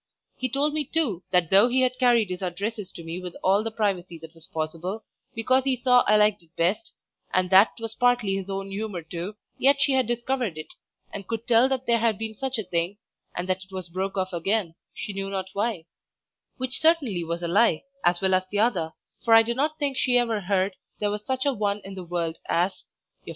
He told me too, that though he had carried his addresses to me with all the privacy that was possible, because he saw I liked it best, and that 'twas partly his own humour too, yet she had discovered it, and could tell that there had been such a thing, and that it was broke off again, she knew not why; which certainly was a lie, as well as the other, for I do not think she ever heard there was such a one in the world as Your faithful friend.